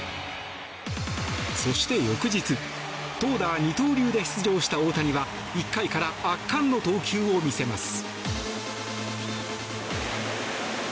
そして、翌日投打二刀流で出場した大谷は１回から圧巻の投球を見せます。